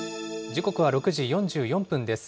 時刻は６時４４分です。